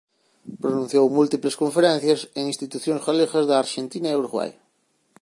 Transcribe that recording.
Pronunciou múltiples conferencias en institucións galegas da Arxentina e Uruguai.